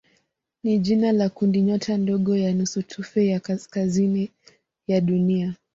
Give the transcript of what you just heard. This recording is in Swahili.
ni jina la kundinyota ndogo ya nusutufe ya kaskazini ya Dunia.